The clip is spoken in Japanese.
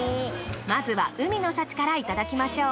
まずは海の幸からいただきましょう。